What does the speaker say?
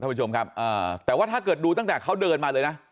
ท่านผู้ชมครับอ่าแต่ว่าถ้าเกิดดูตั้งแต่เขาเดินมาเลยนะ